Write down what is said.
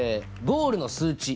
ゴールの数値。